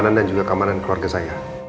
pelayanan dan juga keamanan keluarga saya